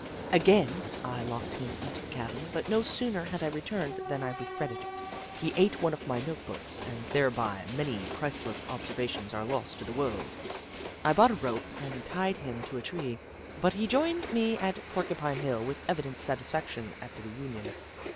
Again, I locked him into the cabin, but no sooner had I returned than I regretted it. He ate one of my note books and thereby many priceless observations are lost to the world. I bought a rope and tied him to a tree, but he joined me at Porcupine Hill with evident satisfaction at the reunion.